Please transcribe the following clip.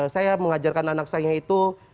saya mengajarkan anak saya itu